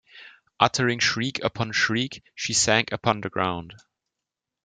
Uttering shriek upon shriek, she sank upon the ground.